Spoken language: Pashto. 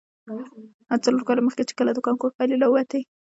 څلور کاله مخې، چې کله د کانکور پايلې راوتې.